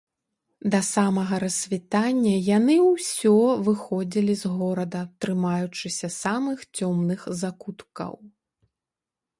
Да самага рассвітання яны ўсё выходзілі з горада, трымаючыся самых цёмных закуткаў.